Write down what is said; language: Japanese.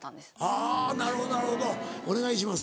あなるほどなるほどお願いします。